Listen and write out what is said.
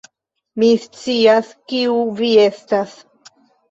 Mi scias, kiu vi estas.